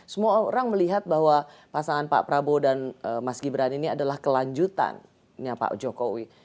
semua orang melihat bahwa pasangan pak prabowo dan mas gibran ini adalah kelanjutannya pak jokowi